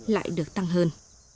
lại được tăng hơn